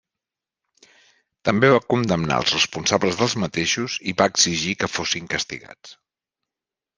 També va condemnar els responsables dels mateixos i va exigir que fossin castigats.